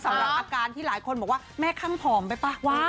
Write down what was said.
สำหรับอาการที่หลายคนบอกว่าแม่ข้างผอมไปป่ะ